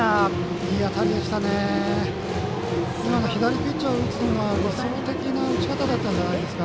今の左ピッチャー打つのに理想的な打ち方だったんじゃないですか。